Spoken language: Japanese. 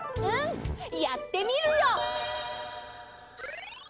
やってみるよ！